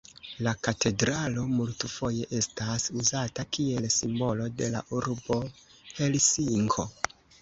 La katedralo multfoje estas uzata kiel simbolo de la urbo Helsinko.